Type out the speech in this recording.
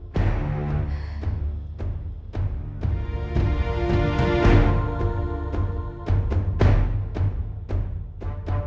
dek bangun dek bangun dek